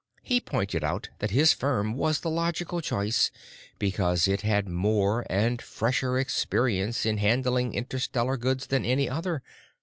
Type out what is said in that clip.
He pointed out that his firm was the logical choice because it had more and fresher experience in handling interstellar goods than any other....